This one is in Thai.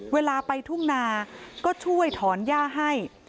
เวลาไปทุ่งนาก็ช่วยถอนย่าให้